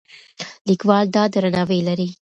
لیکوال دا درناوی لري.